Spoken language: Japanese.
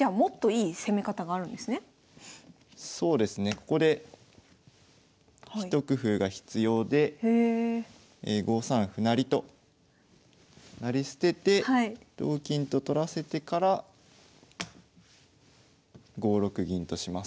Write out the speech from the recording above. ここで一工夫が必要で５三歩成と成り捨てて同金と取らせてから５六銀とします。